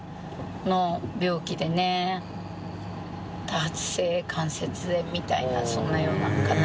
多発性関節炎みたいなそんなようなのかな。